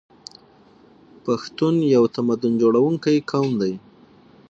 پښتون یو تمدن جوړونکی قوم دی.